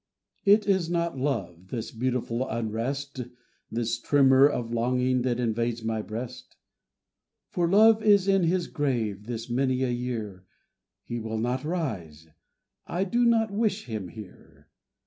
IT is not Love, this beautiful unrest, This tremor of longing that invades my breast: For Love is in his grave this many a year, He will not rise I do not wish him here.